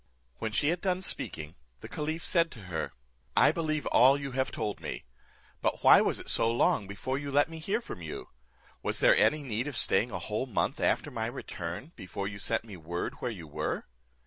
When she had done speaking, the caliph said to her, "I believe all you have told me; but why was it so long before you let me hear from you? Was there any need of staying a whole month after my return, before you sent me word where you were?"